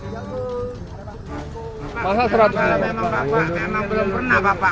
memang belum pernah pak pak